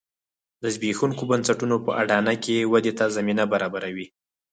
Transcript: د زبېښونکو بنسټونو په اډانه کې ودې ته زمینه برابروي